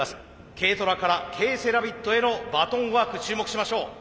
ＫトラからＫセラビットへのバトンワーク注目しましょう。